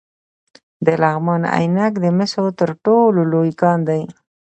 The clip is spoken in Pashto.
د لغمان عينک د مسو تر ټولو لوی کان دی